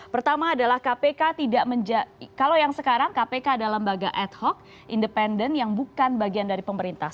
pertama adalah kpk tidak menjaga kalau yang sekarang kpk adalah lembaga ad hoc independen yang bukan bagian dari pemerintah